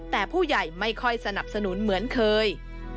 แต่ผู้ใหญ่ไม่ค่อยสนับสนุนเหมือนเคย